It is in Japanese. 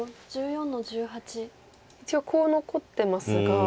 一応コウ残ってますが。